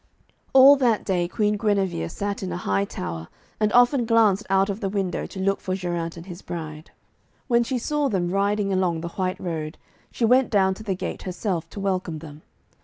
All that day Queen Guinevere sat in a high tower and often glanced out of the window to look for Geraint and his bride. When she saw them riding along the white road, she went down to the gate herself to welcome them.